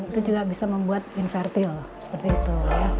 itu juga bisa membuat invertil seperti itu